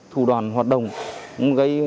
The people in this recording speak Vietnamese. thủ đoàn hoạt động gây